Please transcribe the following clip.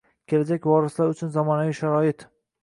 Kelajak vorislari uchun zamonaviy sharoit